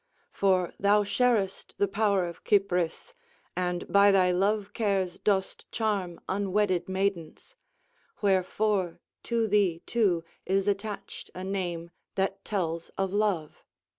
For thou sharest the power of Cypris, and by thy love cares dost charm unwedded maidens; wherefore to thee too is attached a name that tells of love.